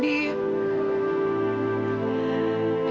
dia ngerasa sedih